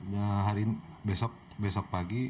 dan hari besok pagi